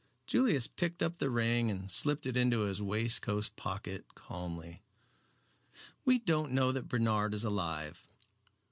Julius picked up the ring and slipped it into his waistcoat pocket calmly. "We don't know that Bernard is alive.